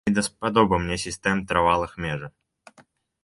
Не даспадобы мне сістэм трывалых межы.